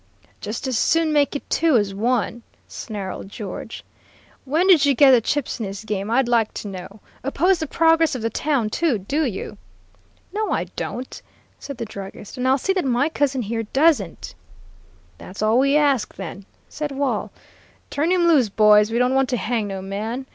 "'Just as soon make it two as one,' snarled George. 'When did you get the chips in this game, I'd like to know? Oppose the progress of the town, too, do you?' "'No, I don't,' said the druggist, 'and I'll see that my cousin here doesn't.' "'That's all we ask, then,' said Wall; 'turn him loose, boys. We don't want to hang no man.